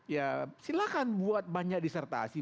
ya silahkan buat banyak disertasi